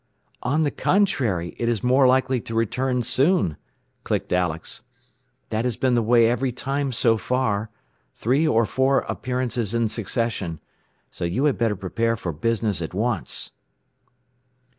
"On the contrary, it is more likely to return soon," clicked Alex. "That has been the way every time so far three or four appearances in succession. So you had better prepare for business at once."